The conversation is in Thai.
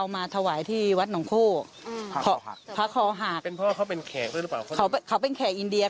มันหลอกเอาเงินแล้วเนี่ย